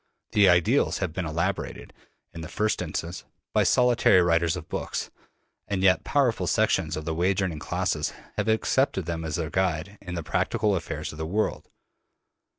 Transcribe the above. The ideals have been elaborated, in the first instance, by solitary writers of books, and yet powerful sections of the wage earning classes have accepted them as their guide in the practical affairs of the world.